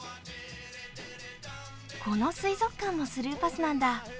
この水族館もスルーパスなんだ。